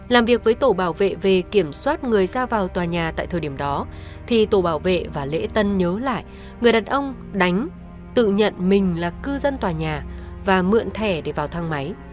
làm việc với tổ bảo vệ về kiểm soát người ra vào tòa nhà tại thời điểm đó thì tổ bảo vệ và lễ tân nhớ lại người đàn ông đánh tự nhận mình là cư dân tòa nhà và mượn thẻ để vào thang máy